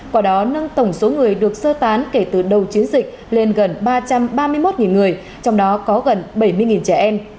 quả đó nâng tổng số người được sơ tán kể từ đầu chiến dịch lên gần ba trăm ba mươi một người trong đó có gần bảy mươi trẻ em